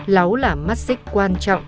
lóng là mắt xích quan trọng